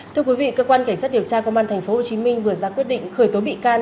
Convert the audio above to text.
thưa quý vị cơ quan cảnh sát điều tra công an tp hcm vừa ra quyết định khởi tố bị can